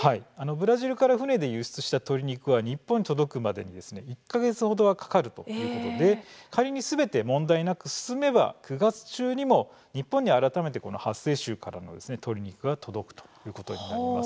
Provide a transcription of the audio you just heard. ブラジルから船で輸出した鶏肉は日本に届くまでに１か月ほどはかかるということで仮にすべて問題なく進めば９月中にも日本に改めてこの発生州からの鶏肉が届くということになります。